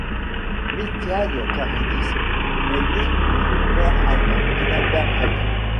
Miltiades Caridis est né d'une mère allemande et d'un père grec.